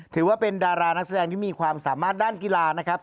ถือว่าเป็นดารานักแสดงที่มีความสามารถด้านกีฬานะครับ